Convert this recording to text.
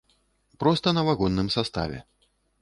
Проста на вагонным саставе.